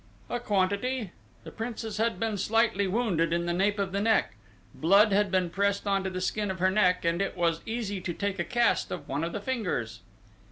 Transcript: "A quantity. The Princess had been slightly wounded in the nape of the neck ... blood had been pressed on to the skin of her neck, and it was easy to take a cast of one of the fingers."